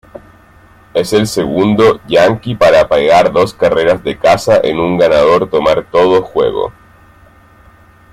Es el segundo yanqui para pegar dos carreras de casa en un ganador-tomar-todo juego.